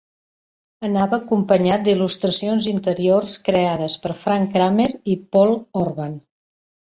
Anava acompanyat d'il·lustracions interiors creades per Frank Kramer i Paul Orban.